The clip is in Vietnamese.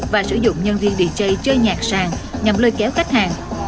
và sử dụng nhân viên dj chơi nhạc sang nhằm lơi kéo khách hàng